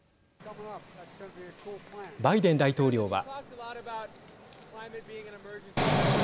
バイデン大統領は。